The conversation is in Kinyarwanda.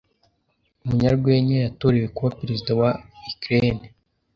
Umunyarwenya yatorewe kuba Perezida wa Ukraine